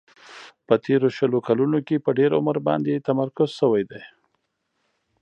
په تیرو شلو کلونو کې په ډېر عمر باندې تمرکز شوی دی.